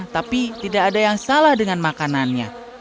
tapi tidak ada yang salah dengan makanannya